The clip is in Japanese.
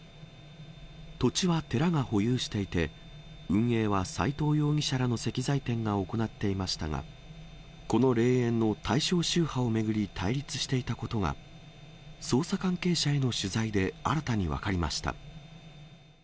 土地は寺が保有していて、運営は斎藤容疑者らの石材店が行っていましたが、この霊園の対象宗派を巡り対立していたことが、捜査関係者への取材で新たに分かりました。